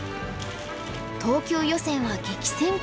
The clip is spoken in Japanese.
東京予選は激戦区の一つ。